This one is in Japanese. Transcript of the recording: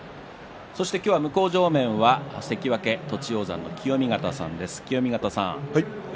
向正面は関脇栃煌山の清見潟さんです。